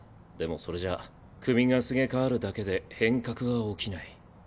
でもそれじゃ首がすげ替わるだけで変革は起きない。